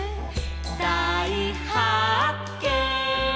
「だいはっけん！」